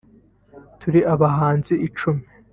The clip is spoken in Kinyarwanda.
turi abahanzi icumi